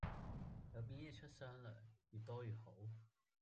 有表現出雙糧，越多越好!